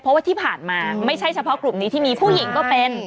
เพราะว่าที่ผ่านมาไม่ใช่เฉพาะกลุ่มนี้ที่มีผู้หญิงก็เป็น